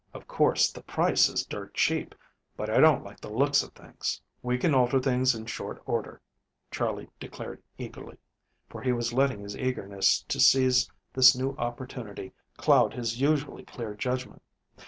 Of course, the price is dirt cheap, but I don't like the looks of things." "We can alter things in short order," Charley declared eagerly, for he was letting his eagerness to seize this new opportunity cloud his usually clear judgment.